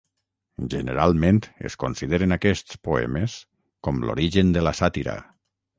Generalment es consideren aquests poemes com l'origen de la sàtira.